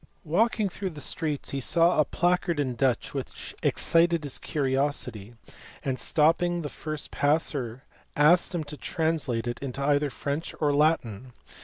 Walking through the streets he saw a placard in Dutch which excited his curiosity, and stopping the first passer asked him to translate it into either French or Latin.